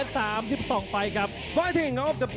สวัสดีครับสวัสดีครับ